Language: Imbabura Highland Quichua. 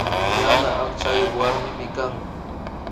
Yana akchayuk warmimi kani